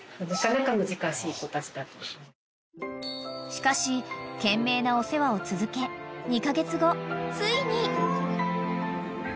［しかし懸命なお世話を続け２カ月後ついに］